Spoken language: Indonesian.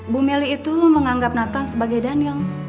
bu meli itu menganggap nathan sebagai daniel